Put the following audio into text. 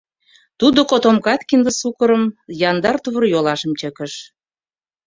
Тудо котомкат кинде сукырым, яндар тувыр-йолашым чыкыш.